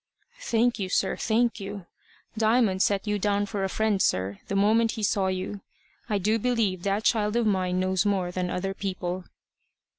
"Thank you, sir, thank you. Diamond set you down for a friend, sir, the moment he saw you. I do believe that child of mine knows more than other people."